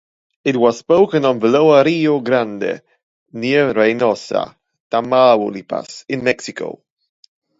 It was spoken on the lower Rio Grande near Reynosa, Tamaulipas, in Mexico.